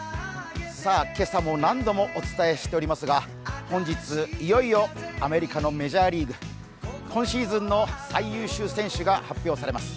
今朝も何度もお伝えしておりますが、本日、いよいよアメリカのメジャーリーグ今シーズンの最優秀選手が発表されます。